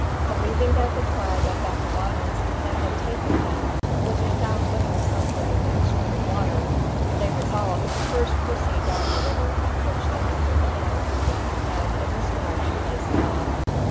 Believing that the tribe of Bechuanas that had taken them would be found living somewhere near a stream of water, they resolved to first proceed down the river on which they had their camp; and in this direction they set off.